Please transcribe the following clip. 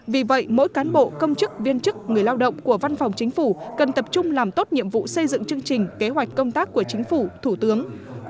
vì vậy mỗi cán bộ công chức viên chức người lao động của văn phòng chính phủ cần tập trung làm tốt nhiệm vụ xây dựng chương trình kế hoạch công tác của chính phủ thủ tướng